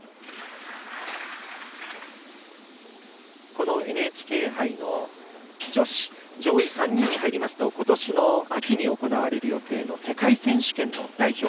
このＮＨＫ杯の女子上位３人に入りますとことしの秋に行われる予定の世界選手権の代表。